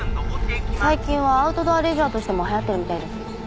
最近はアウトドアレジャーとしても流行ってるみたいです。